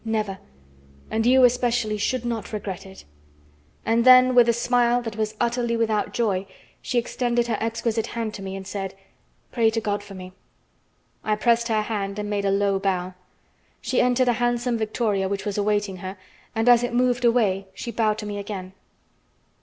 "Never! And you, especially, should not regret it." And then with a smile that was utterly without joy she extended her exquisite hand to me and said: "Pray to God for me." I pressed her hand and made a low bow. She entered a handsome victoria which was awaiting her, and as it moved away she bowed to me again.